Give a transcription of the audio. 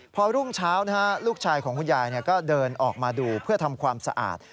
พอรุ่งเช้าลูกชายของคุณยายก็เดินออกมาดูเพื่อทำความสะอาด